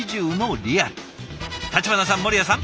橘さん守屋さん